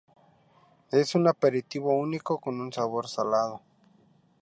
Es un aperitivo único, con un sabor salado.